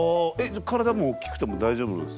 じゃあ体も大きくても大丈夫？